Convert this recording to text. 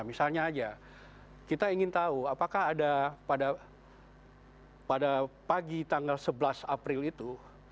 misalnya aja kita ingin tahu apakah ada pada pagi tanggal sebelas april itu